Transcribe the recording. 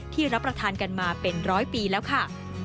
รับประทานกันมาเป็นร้อยปีแล้วค่ะ